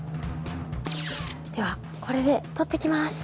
ではこれで撮ってきます。